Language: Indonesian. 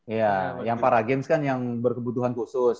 ya yang para games kan yang berkebutuhan khusus